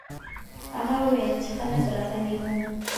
هغه وویل چې خلک راغلي وو.